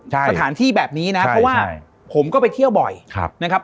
สถานที่แบบนี้นะเพราะว่าผมก็ไปเที่ยวบ่อยนะครับ